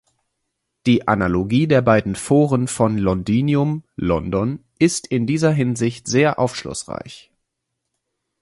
Die Analogie der beiden Foren von "Londinium" (London) ist in dieser Hinsicht sehr aufschlussreich.